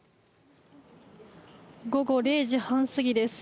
午後０時半過ぎです。